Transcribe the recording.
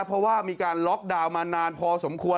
เพราะว่ามีการล็อกดาวน์มานานพอสมควร